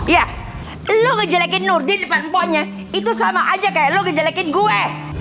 ya lu ngejelekin nur di depan ponya itu sama aja kayak lo ngejelekin gue